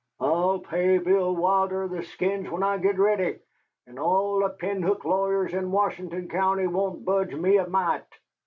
"I'll pay Bill Wilder the skins when I git ready, and all the pinhook lawyers in Washington County won't budge me a mite."